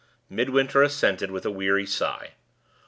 Midwinter assented with a weary sigh.